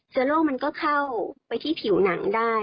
โรคมันก็เข้าไปที่ผิวหนังได้